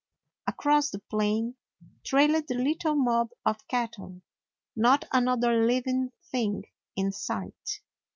Across the plain trailed the little mob of cattle; not another living thing in sight.